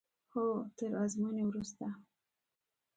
هو تر ازموینې وروسته.